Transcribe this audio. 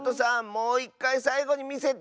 もういっかいさいごにみせて！